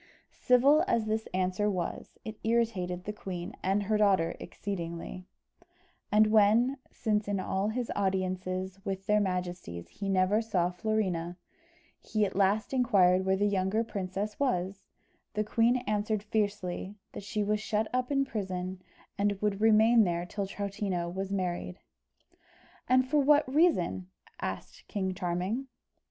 Civil as this answer was, it irritated the queen and her daughter exceedingly; and when, since in all his audiences with their majesties he never saw Florina, he at last inquired where the younger princess was, the queen answered fiercely, that she was shut up in prison, and would remain there till Troutina was married. "And for what reason?" asked King Charming.